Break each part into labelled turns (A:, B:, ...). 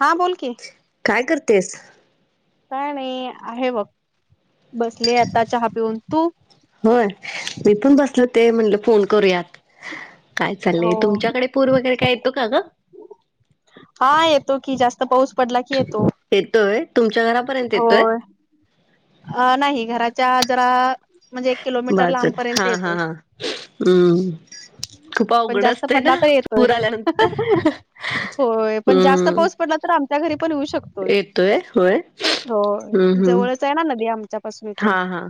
A: हा बोल क
B: काय करतेस?
A: काय नाही आहे बघ बसले आता चहा पिऊन तू
B: होय मी पण बसल ते म्हणलं फोन करूयात. काय चालय
A: हो
B: तुमच्याकडे पूर वगैरे काय येतो का ग.
A: हा येतो की जास्त पाऊस पडला की येतो.
B: येतोय तुमच्या घरापर्यंत येतोय
A: होय अ नाही घराच्या जरा म्हणजे एक किलोमीटर लांबपर्यंत येतो.
B: हम्
A: पण जास्त पडला तर येतोय होय पण जास्त
B: हम्म
A: पाऊस पडला तर आम त्या घरी पण येऊ शकतोय
B: येतोय होय हम्म
A: हो
B: हम्म
A: जवळ आहे ना नदी आमच्या पासून इथून
B: हा हा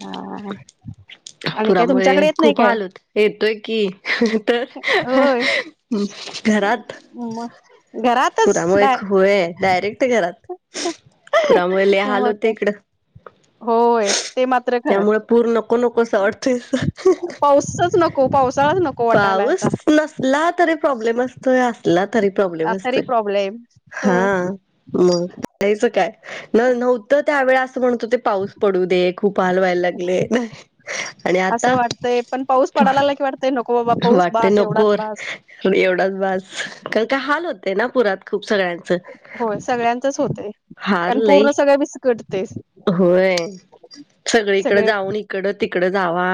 A: हा. आणि काय
B: पुरामुळे
A: तुमच्याकडे येत नाही
B: खूप
A: काय
B: हाल होत. येतोय की तर घरात
A: म म
B: पुरामुळे होय डायरेक्ट घरात पुरामुळे लिहाल
A: मग
B: होते
A: काय
B: इकडं
A: होय ते मात्र खरं
B: त्यामुळे पूर् नको नकोसं अडथय
A: पाऊसच नको पावसाळाच नको वाटायला आता
B: पाऊस नसला तरी प्रॉब्लेम असतोय असला तरी प्रॉब्लेम असतो
A: आतारी प्रॉब्लेम होय
B: मगयचं काय न नव्हतं त्यावेळे असं म्हणतो ते पाऊस पडू दे खूप हलवा्हायला लागले नाही आणि आता
A: क ते नको पाऊस
B: वाटते
A: बास एवढाच
B: नकोर
A: बास
B: एवढाच बस का काय हाल होते ना पुरात खूप सगळ्यांचं
A: सगळ्यांच होतय कारण पूर्ण सगळे विस्कटते
B: होय सगळीकड
A: सगळे
B: जाऊन इकडं तिकड जावा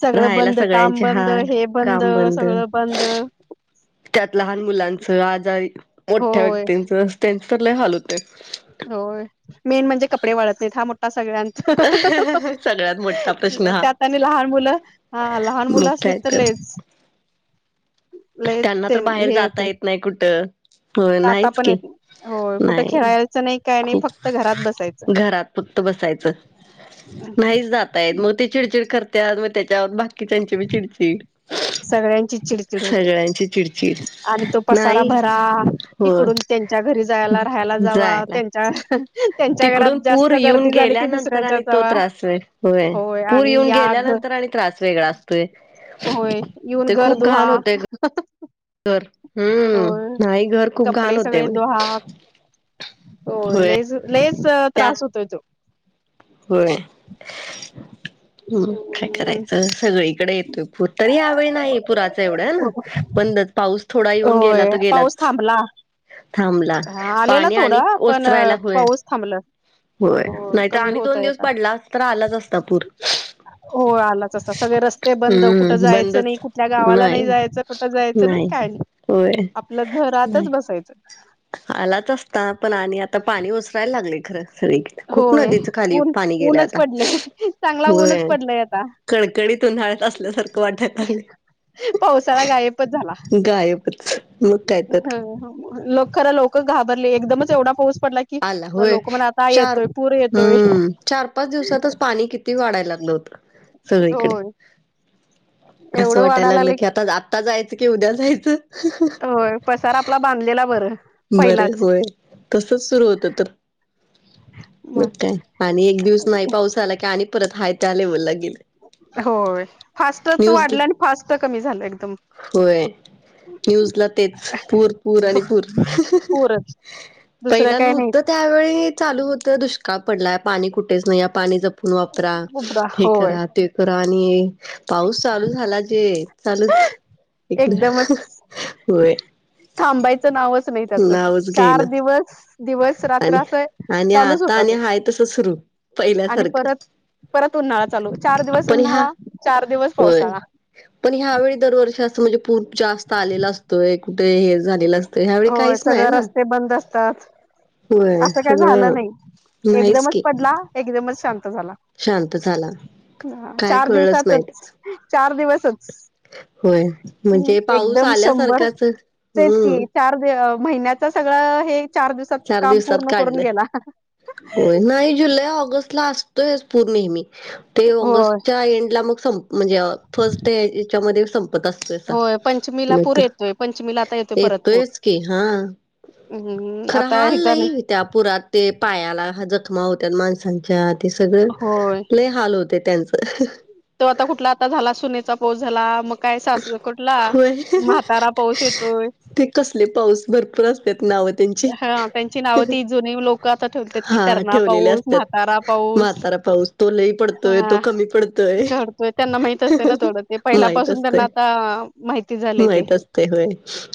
A: सगळं
B: राहायला
A: बंद काम
B: सगळ्यांचे
A: बंद
B: हाल
A: हे बंद
B: काम
A: सगळं बंद
B: त्यात लहान मुलांचं आजार मोठ्या
A: होय
B: व्यक्तींच त्यांच तर लय हाल होते
A: हो मेन म्हणजे कपडे वाळत नाही हा मोठा सगळ्यांत
B: सगळ्यात मोठा प्रश्न हा
A: त्यात आणि लहान मुलं हा लहान
B: मग
A: मुलं असली
B: काय
A: तर ललेच
B: त्यांना तर बाहेर
A: हे
B: जाता
A: होतय
B: येत नाही कुठं हो
A: आता
B: नाहीच
A: पण
B: की
A: येत होय कुठं
B: नाही
A: खेळायचं नाही काय नाही
B: खूप
A: फक्त घरात बसायचं
B: घरात फक्त बसायचं
A: अ
B: आहेत मग ते चिडचिड करतते मग त्याच्यावर बाकीच्याचीी चिडचिड
A: सगळ्यांची चिड
B: सगळ्यांची चिडचिड
A: आणि तो पसारा
B: नाही
A: भरा
B: होय
A: इकडून त्यां त्यांच्या घरी जायला राहायला जावा
B: जायला
A: त्यांच्या त्यांच्या
B: तिकडून
A: घरात
B: पूर
A: जास्त
B: येऊन
A: गर्दी झाली की
B: गेल्यानंतर
A: दुसऱ्यांच्या
B: आणि तो
A: जावा
B: त्रास होय
A: होय
B: पूर
A: आणि
B: येऊन
A: या घ
B: गेल्यानंतर आणि त्रास वेगळा असतोय
A: होय येऊन
B: ते
A: घर
B: खूप
A: धुहा
B: घाण होते घर हम्म
A: होर
B: नाही घर खूप घाण
A: कपडे
B: होते
A: सगळे
B: म्हणे
A: दुहा हो
B: होय
A: लेस लेस
B: त्यात
A: त्रास होतोय तो
B: होय ह् काय करायचं सगळीकडे येत तरी या्यावेळी नाही पुराच एवढं ना बण पाऊस थोडा येऊन गेला
A: होय
B: तरो
A: पाऊस
B: गेलाच
A: थांबला
B: थांबला
A: आलेला
B: पाणी आणि
A: थोडा पण
B: ओसरायला होय
A: पाऊस थांबला
B: होय
A: हो
B: नाहीतर
A: कमी
B: आणि दोन
A: होतय
B: दिवस
A: आता
B: पडला तर आलाच असता पूर
A: हो आलाच असता सगळे रस्ते बंद कुठं
B: हम्म
A: जायचं नाही
B: बंदच
A: कुठल्या गावाला नाही जायचं कुठं जायचं नाही काय नाही
B: होय
A: आपलं
B: नाही
A: घरातच बसायचं
B: आलाच असता पण आणि आता पाणी ओसरायला लागले खरं स खूप
A: होय
B: नदीचं खाली
A: ऊन
B: पाणी गेलं
A: ऊनच
B: आता
A: पडलंय चांगला ऊनच पडलंय आता
B: कडकडीत उन्हाळत असल्यासारखं वाटायला आगले
A: पावसाला गायबच झाला
B: गायबच मग काय तर
A: ह ल खर लोक घाबरले एकदमच एवढा पाऊस पडला की
B: आला
A: मग
B: होय
A: लोक म्हणा आता
B: चार
A: येतोय पूर येतोय
B: हम्म चार पाच दिवसातच पाणी कि वाढायला लाग नव्हत सगळीकडे
A: होय
B: असं
A: एवढं
B: वाटायला
A: वाढायला
B: लागलं की आता आत्ता जायचं कि उद्या जायचं
A: की होय पसार आपला बांधलेला बरं
B: बरं
A: पहिलाच
B: होय तसच सुरू होतं तर मग काय आणि एक दिवस नाही पाऊस आला की आणि परत हाय त्या लेव्हलला गेले
A: होय फास्टच वाढलं
B: न्यूजला
A: आणि फास्ट कमी झालं एकदम
B: होय न्यूजला तेच पूर पूर आणि पूर
A: पूरच दुसरं
B: पहिला
A: काय नाही
B: नव्हतं त्यावेळी चालू होतं दुष्काळ पडलाय पाणी कुठेच नाही पाणी ज पण वापरा हे
A: होय
B: करा ते तर आणि पाऊस चालू झाला जे चालूच इकडे
A: एकदमच
B: होय
A: थांबायचं नावच नाही त्याच
B: नावच
A: चार
B: घेईना
A: दिवस दिवस
B: आणि
A: रात्र अस
B: आणि
A: चालूच
B: आता
A: होता
B: आणि
A: तो
B: हाय तसं सुरू
A: आणि
B: पहिल्यासारखं
A: परत परत उन्हाळा चालू चार दिवस
B: पण ह्या
A: उन्हाळा चार दिवस
B: होय.
A: पावसाळा
B: पण ह्यावेळी दरवर्षी अस म्हणजे पू जास्त आलेला असतोय कुठे हे झालेलं असतं ह्यावेळी
A: होय
B: काहीच नाही
A: सगळे
B: ना.
A: रस्ते बंद असतात
B: होय
A: असं काय
B: सगळं
A: झालं नाही
B: नाहीच
A: एकदमच
B: की
A: पडला एकदमच शांत झाला
B: शांत झाला
A: ह
B: काय
A: चार
B: कळलंच नाही
A: दिवसातच
B: त्याच.
A: चार दिवसच
B: होय म्हणजे पाऊस
A: एकदम शंभर
B: आल्यासारखाच
A: तेच
B: हम्म
A: की चार महिन्याच सगळं हे चार दिवसात
B: चार
A: काम
B: दिवसात
A: पूर्ण करून
B: काढलं
A: गेला
B: को नाही जुलै ऑगस्ट असतोय पूर नेहमी ते
A: होय
B: ऑगस्टच्या एंड ला मग म्हणजे फर्स्ट त्याच्यामध्ये संपत असतो
A: होय पंचमीला पूर
B: मत
A: येतोय पंचमीला आता
B: येतोयच की हा
A: ह
B: खर हल नाही त्या पुरात ते पायाला हा जखमा होत्या माणसांच्या ते सगळं
A: होय
B: ल हाल होते त्यांचं
A: तो आता कुठला आता झाला सुनेचा पाऊस झाला मग काय सास कुठला
B: होय
A: म्हातारा पाऊस येतोय
B: ते कसले पाऊस भरपूर असतेत नावत
A: हा त्यांची नावं ती जु लोक ुक आता ठेवतात कि
B: हा
A: तरणा
B: ठेवलेले
A: पाऊस
B: असतात.
A: म्हातारा पाऊस
B: म्हातारा पाऊस तो लई पडतोय तो
A: हा
B: कमी पडतोय
A: घडतोय त्यांना माहित असते ना थोडं ते
B: माहित
A: पहिल्यापासून
B: असतय.
A: त्यांना आता माहिती झालंय ते
B: ते होय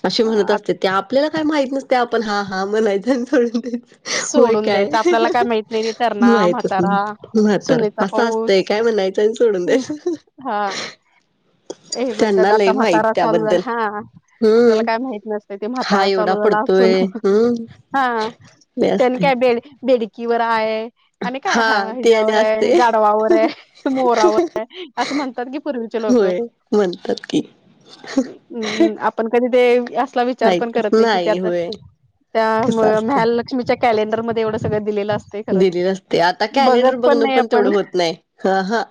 B: असे म्हणत
A: आ
B: असते त्या आपल्याला काय माहत नसते आपण हा हा म्हणायचं आणि सोडून दयच
A: सोडून द्यायचं आपल्याला काय माहत नाही र तरणा
B: माहितच नाही.
A: म्हातारा सुनीचा
B: म्हातारा असं
A: पाऊस
B: असतंय काय म्हणयचं आणि सोडून द्यास
A: हा
B: ह
A: हे म्हणतात आता म्हातारा चालू झाला हा आपल्याला
B: हम्म
A: काय माहित नसते ते
B: हा
A: म्हातारा
B: एवढा
A: चालू झाला असून
B: पडतोय हम्म
A: हा
B: हे
A: त्यांनी
B: असते.
A: काय बेड बेडकीवर आहे आणि काय हा
B: ते आणि
A: हिच्यावर आहे
B: असते
A: गाडवावर आहे मोरावर आहे असं म्हतात की पूर्वीचे लो
B: होय म्हणतात की
A: हम्म् आपण कधी ते अस विचारण
B: ऐकत
A: करत नाही क त्यात
B: होय
A: त्या
B: कसं असतंय.
A: मलक्षमीच्या कॅलेंडरमध्ये एवढं सळं दिलेलं अस
B: दिली न असते आता कॅलेडर बघणं पण तेवढं
A: आपण
B: होत नाही हा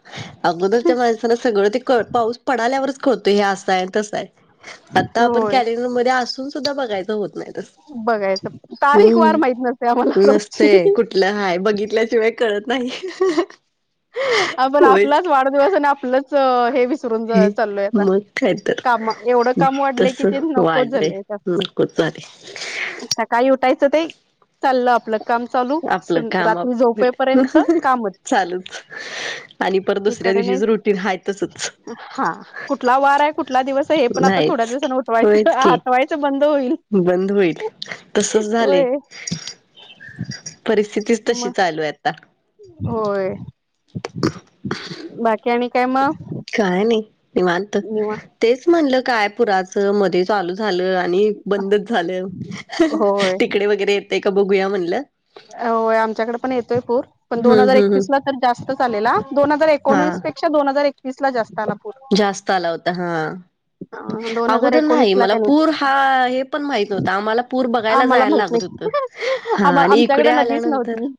B: अगोदरच्या माणसाना सगळं ते पाऊस पडाल्यावरच कळतोय हे असं आहे तसं आहे आता आपण
A: होय
B: कॅलेंडरमध्येध्ये असून सुद्धा बघायचं होत नाही तस
A: बघायचं तारीख वार
B: हम्म
A: माहित नसते आम्हाला रोजची
B: नसते कुठलं ह बघितल्याशिवाय कळत नाही
A: आप आपण
B: होयच
A: आपलाच वाढदिवस आणि आपलंच हे वि र
B: की
A: चालय
B: मग काय तर
A: काम एवढं काम वाढलंय की ते नकोच झालय.
B: हम् कोतरी
A: सकाळी उठायचं ते चाललं आपलं काम चालू
B: आपलं काम
A: रात्री
B: आप
A: झोपे पर्यंत कामच
B: चालूच आणि पर दुसऱ्या
A: इकडे नाही
B: दिवशीच रुटीन हय तसच
A: हा कुठला वार आहे कुठ? कुठला दिवस हे पण आता थोड्या
B: नाहीच की
A: दिवसाां उठवायं
B: होयच की
A: हातवायचं बंद होईल.
B: बंद होईल तसच झाले.
A: होय
B: परिस्थितीच तशी
A: मग
B: चालू आहे आता.
A: होय बाकी आणि काय म
B: काय नाही मी मानत तेच म्हणलं काय पुराचं मध्ये चालू झालं. बंद झालं
A: होय
B: तिकडे वगैरे येतय का बघूया म्हणलं.
A: हो आमच्याकडे पण येतोय पूर पण
B: हम्म
A: दोन हजार
B: हम्म हम्म
A: एकवीस ला तर जास्त चालेला दोन हजार
B: हा
A: एकोणवीस पेक्ष दोन हजार एकवीस ला जास्त आला. पूर
B: जास्त आला होता हा.
A: दोन हजार
B: अगोदर
A: एकोणीस
B: नाही
A: ला
B: मला
A: का नाही
B: पूर हा हे पण माहित नव्हता आम्हाला पूर बघायला जायला लागत होत.
A: आम आमच्याकडे नदीच नव्हती.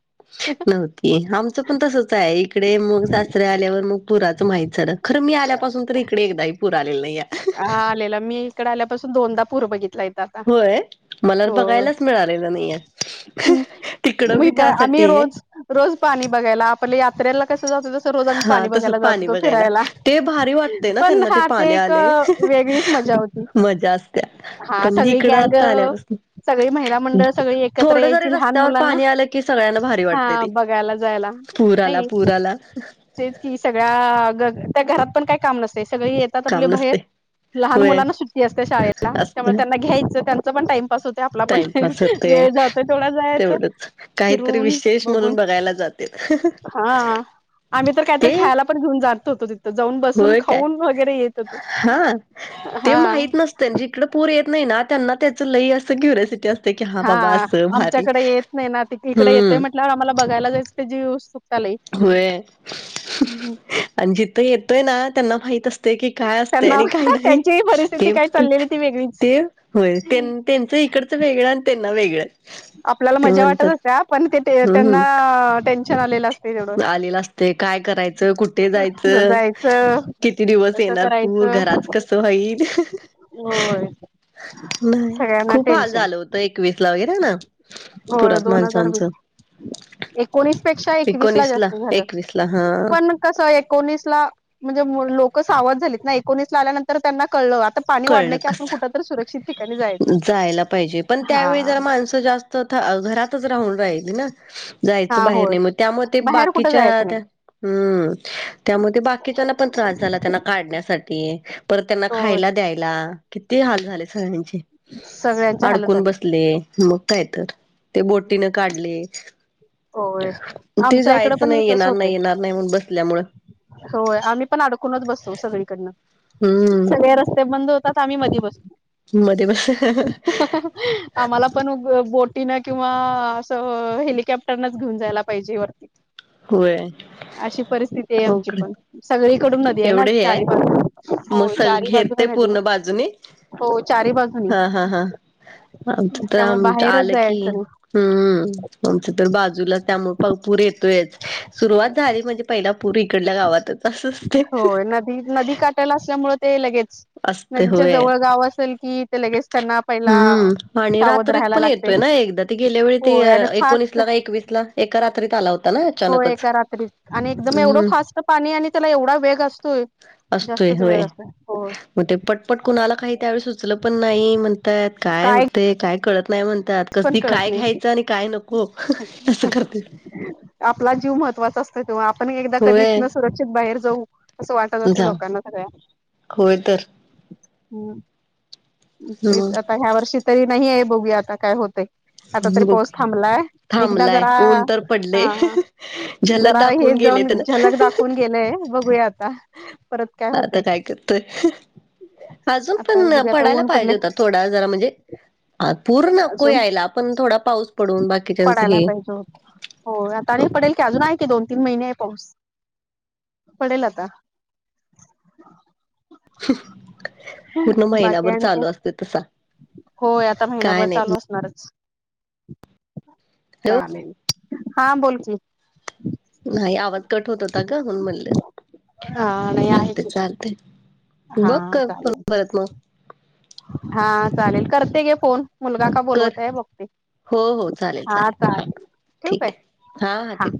B: आमच पण तसच आहे इडे मग आल्यावर मराच माहित झा खर आल्या. पासून तर इकडे एकदाही पुर आलेलं नाही आहे.
A: हा आलेला मी इकडे आल्यापासून दोनदा पूर बघितलाय.
B: होय मला तर बघायलाच मिळालेलं नाहीय
A: हं.
B: तिकडं बी
A: मी ब आम्ही
B: त्यासाठी आहे.
A: रोज रोज पाणी बघायला आपला यात्रेला कस. जस रोज आम्
B: हा
A: पाणी
B: तसं
A: बघायला जात
B: पाणी
A: होतो
B: बघायला.
A: फिरायला
B: ते भारी वाटते ना
A: पण
B: त्यांना
A: ह
B: पाणी
A: ते.
B: आले
A: वेगळीच मजा होती
B: मजा असत्या.
A: हा
B: पण
A: सगळी
B: इकडं
A: गँग
B: आता आल्यापासून
A: सगळी महिला मंडळ सगळी एकत्र
B: थोडं जरी
A: यायची लहान
B: रस्त्यावर
A: मुलांना
B: पाणी आलं की
A: हा बघायला जायला
B: पुराला
A: नाही
B: पुराला.
A: तेच कि सगळ्या ग त्या घरात पण काय काम नसते सगळी येत. आपले
B: काम
A: बहेर
B: नसते
A: लहान
B: होय
A: मुलांना सुट्टी असते शाळेला त्यामुळे
B: असते
A: त्यांना घ्यायचं त्यांच पण टाइमपास होत. ते आपला पण
B: टाइमपास होते
A: वेळ जातो तेवढा जायचं
B: तेवढंच काहीतरी
A: फिरून
B: विशेष
A: बघून.
B: म्हणून बघायला जाते
A: हा आम्ही तर काहीतरी
B: ते
A: खायला पण घेऊन जाततो होतो तिथ. जाऊन बसून
B: होय काय
A: खाऊन वगैरे येत तो हा
B: त्यांची इकडे पूर येत नाही ना त्यांना त्याचं लई असं क्युरेसिटी असं.
A: हा
B: भारी
A: आमच्याकडे येत नाही ना त इकडे येतेय
B: हम्म
A: म्हटल्यावर आम्हाला बघायला जायचं जी वस्तू
B: होय. आणि जिथं येतोय ना त्यांना माहित असते की काय असते
A: त्यांना
B: आणि काय नाही
A: त्यांचीही
B: ते
A: परिस्थिती काय
B: म्हत
A: चाललेली ती
B: ते
A: वेगळीच
B: होय त्यांचं इकडचं वेगळं आणि त्यांना वेगळं
A: आपल्याला
B: ते
A: मजा वाटत
B: म्हणतात
A: असते पण ते त्यांना टेन्शन आलेलं अस
B: आलेल असते काय करायचं कुठे जायचं
A: जायचं
B: किती दिवस
A: कसं
B: येणार पूर
A: करायचं
B: घराात कस होई
A: होय
B: नाही
A: सगळ्यांना
B: खूप हाल
A: टेन्शन
B: झाल होत. एकवीस ला वगैरे ना
A: हो
B: पुरात
A: दोन हजार वीस
B: माणसांचं
A: एकोणीस पेक्षा एकवीस ला
B: एकोणीस
A: जास्त झालं
B: एकवीस ला हा
A: पण कस एकोणीस ला म्हणजे लोक सावध झालीत ना एकोणीस ला आल्यानंतर त्यांना कळलं. पाणी वाढलं
B: कळलं
A: की आपण कुठ
B: कसं
A: तररी सुरक्षित ठिकाणी जायचं.
B: जायला पाहिजे पण
A: हा.
B: त्यावेळी जरा माणसं जास्त घरातच राहून राहिल ना. जायचं
A: हा
B: बाहेर
A: होय
B: नाही मग त्यामुळे ते
A: बाहेर कुठे
B: बाकीच्या
A: जायचं नाही
B: त्या हम्म त्यामध्ये बाकीच्याना पण त्रास झाला त्यांना काढण्यासाठी. परत त्यांना
A: होय
B: खायला द्यायला किती हाल झाले सगळ्यांचे
A: सगळ्यांची हालत
B: अडकून
A: झाली
B: बसले मग. येत, ते बोटीन काढले.
A: होय.
B: ते
A: आमच्या इकडं
B: जायचं
A: पण
B: नई,
A: तसं
B: येणार नई
A: होतंय
B: येणार नई म्हण बसल्यामूळ.
A: होय आम्ही पण अडकूनच बसतो सगळीकडन.
B: हम्म
A: सगळे रस्ते बंद होत तात आम्ही मध्ये बसतो.
B: मध्ये बस
A: आम्हाला पण बोटीनं किंवा असं हेलिकॉप्टर त्यांनाच घेऊन जायला पाहिजे वरती
B: होय
A: अशी परिस्थिती आहे आमची
B: अवघड
A: पण सगळीकडून नदी आहे ना चारी बाजून
B: मग
A: होय
B: सग
A: चारी
B: घेरते
A: बाजून नदी
B: पूर्ण
A: आहे
B: बाजूने
A: हो चारी बाजू
B: हा हा हा आमच्या तर
A: त्यामुळे
B: आम
A: बाहेरच
B: आलं की
A: जायचं नाही
B: हम्म आमचं तर बाजूला त्यामुळे प पुर येत सुरुवात झाली म्हणजे पहिला पूर इकडल्या गावातच. असं असते
A: होय नदी नदी का. असल्यामुळे ते लगेच
B: असते
A: नदीच्या
B: होय
A: जवळ गाव असेल की ते लगेच त्यांना. पहिला
B: हम्म आणि
A: सावध
B: रात्रीत
A: राहायला
B: पण
A: लागते
B: येतोय ना एकदा ती गेल्या वेळी ते
A: होय आणि
B: एकोणीस
A: फास्ट
B: ला का एकवीस ला एका रात्रीत आला ना
A: हो
B: अचानकच
A: एका रात्रीत. आणि एकदम एवढं
B: हम्म
A: फास्ट पाणी आणि त्याला एवढा वेग असतोय जास्तच वेळ असं हो मग
B: हो ते पटपट कुणाला काही त्यावेळी सुचलं पण नाही म्हणताहेत काय होते काय कळत नाही म्हण त्यात कस
A: पण
B: ते
A: कळत
B: काय
A: नाही
B: घ्यायचं आणि काय नको असं करत्यात.
A: आपला जीव महत्त्वाचा असतोय तेव्हा आपण एकदा कधी
B: होय
A: इथन सुरक्षित बाहेर जाऊ असं वाटत असे
B: जा
A: लोकांना सगळ्या
B: होय तर
A: हम् तेच
B: मग
A: आता ह्या वर्षी तरी नाही आहे बघू आता काय होतय. आता तरी पाऊस
B: बघूया
A: थांबलाय एकदा
B: थांबलाय
A: जरा
B: ऊन तर पडले
A: हा
B: झलक
A: जरा
B: दाखवून
A: हेच
B: गेले
A: जाऊन
B: त्यान
A: झलक दाखवून गेलेय बघूया आता परत काय
B: आता
A: होतय.
B: करतोय अजून
A: आता
B: पण
A: बघूया आता
B: पडायला
A: ऊन पडले
B: पाहिजे होता थोडा जरा म्हणजे अ पूर नको
A: अजून
B: यायला. पण थोडा पाऊस पडून बाकीच्यांच हे
A: होय आता नाही पडेल की अजून आहे की दोन तीन महिने आहे पाऊस- पडेल आता
B: पूर्ण
A: बाकी
B: महिनाभर -
A: होय आता
B: काय
A: महिनाभर
B: नाही
A: चालू असणारच चालेल हा बोलकी
B: नाही आवाज कट होत होता ग म्हणून म्हणलं
A: हा नाही आहे
B: चालतय
A: की
B: चालतय.
A: हा
B: बघ कर
A: चालेल
B: परत म्ह.
A: हा चालेल करते घे फोन- मुलगा का
B: कर
A: बोलवत आहे बघते
B: हो हो चालेल
A: हा
B: चालेल
A: चालेलं.
B: ठीक आहे हा हा ठेव.